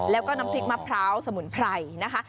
แล้วก็น้ำพริกมะพร้าวสมุนไพรนะคะ